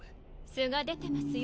素が出てますよ